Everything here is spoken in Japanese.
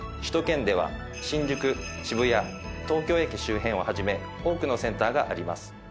首都圏では新宿渋谷東京駅周辺を始め多くのセンターがあります。